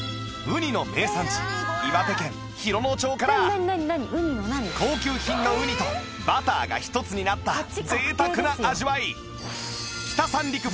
ウニの名産地岩手県洋野町から高級品のウニとバターが１つになった贅沢な味わい